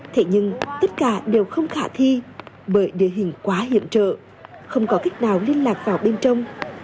thế nhưng tất cả đều không khả thi bởi địa hình quá hiểm trở không có cách nào liên lạc vào bên trong